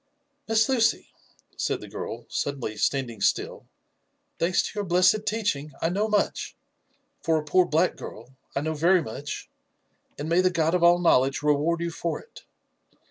'*" Miss Lucy !" said the girl, suddenly standing still, " thanks to your blessed teaching, I know much for a poor black girl, I know very much, and may the God of all knowledge reward you for it.